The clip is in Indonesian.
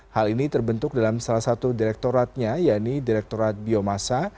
hal ini terbentuk dalam salah satu direktoratnya yaitu direkturat biomasa